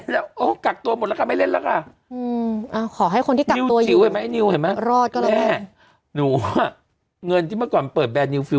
หนูบอกว่าเงินที่เมื่อก่อนเปิดแบดนิวฟิว